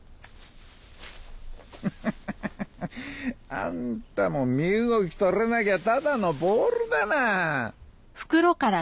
クククククあんたも身動き取れなきゃただのボールだなあ